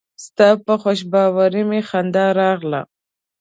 ستا په خوشباوري مې خندا راغله.